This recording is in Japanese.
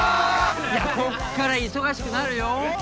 こっから忙しくなるよえっ？